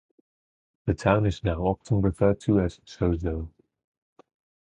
The town is now often referred to as 'Zozo.